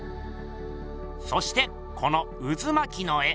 そしてこのうずまきの絵。